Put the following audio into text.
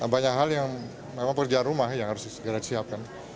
banyak hal yang memang pekerjaan rumah yang harus segera disiapkan